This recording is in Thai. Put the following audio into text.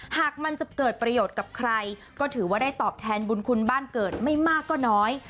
หากมันจะเกิดประโยชน์กับใครก็ถือว่าได้ตอบแทนบุญคุณบ้านเกิดไม่มากก็น้อย